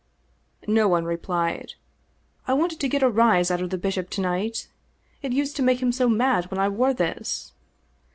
No one replied. "I wanted to get a rise out of the bishop to night. It used to make him so mad when I wore this."